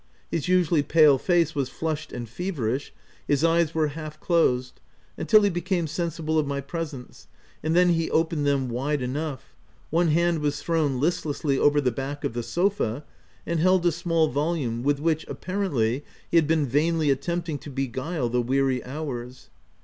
His usually pale face was flushed and feverish ; his eyes were half closed, until he became sensible of my presence — and then he opened them wide enough ;— one hand was thrown listlessly over the back of the sofa, and held a small volume with which, apparently, he had been vainly attempting to beguile the weary hours.